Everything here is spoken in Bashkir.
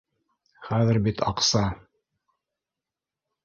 Хәҙер бит аҡса